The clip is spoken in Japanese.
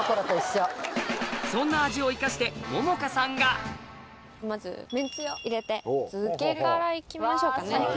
そんな味を生かして百々絵さんがまずめんつゆを入れて漬けからいきましょうかね。